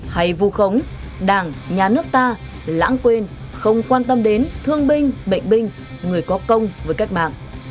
hay vu khống đảng nhà nước ta lãng quên không quan tâm đến thương binh bệnh binh người có công với cách mạng